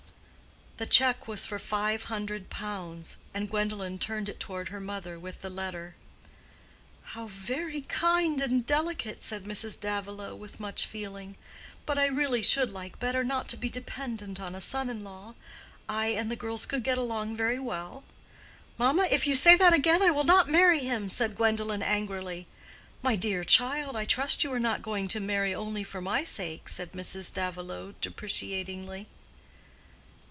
The check was for five hundred pounds, and Gwendolen turned it toward her mother, with the letter. "How very kind and delicate!" said Mrs. Davilow, with much feeling. "But I really should like better not to be dependent on a son in law. I and the girls could get along very well." "Mamma, if you say that again, I will not marry him," said Gwendolen, angrily. "My dear child, I trust you are not going to marry only for my sake," said Mrs. Davilow, deprecatingly.